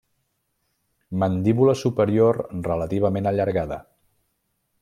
Mandíbula superior relativament allargada.